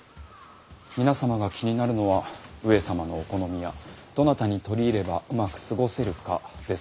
皆様が気になるのは上様のお好みやどなたに取り入ればうまく過ごせるかですので。